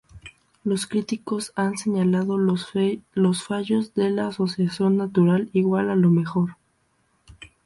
Los críticos han señalado los fallos de la asociación "natural igual a lo mejor".